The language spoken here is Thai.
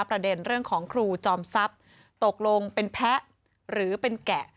ประเด็นเรื่องของครูจอมทรัพย์ตกลงเป็นแพ้หรือเป็นแกะ